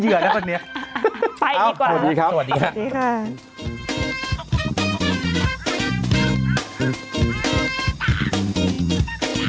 เต้วจับผมนิดนึงโอ้ยคุณแม่เป็นเหยื่อแล้วตอนนี้